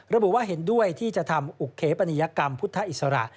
ระบุว่าเห็นด้วยที่จะทำอุเขปนียกรรมพุทธอิสระ